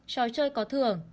trò chơi có thưởng